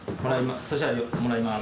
もらいます。